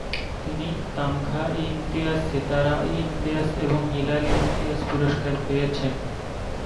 তিনি তামঘা-ই-ইমতিয়াজ, সিতারা-ই-ইমতিয়াজ এবং হিলাল-ই-ইমতিয়াজ পুরস্কার পেয়েছেন।